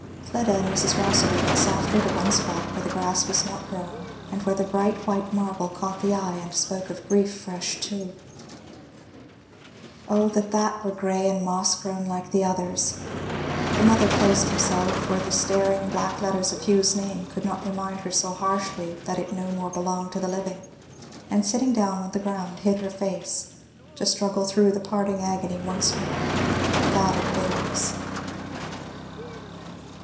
Fleda and Mrs. Rossitur went softly to one spot where the grass was not grown and where the bright white marble caught the eye and spoke of grief fresh too. Oh that that were grey and moss grown like the others! The mother placed herself where the staring black letters of Hugh's name could not remind her so harshly that it no more belonged to the living; and sitting down on the ground hid her face; to struggle through the parting agony once more with added bitterness.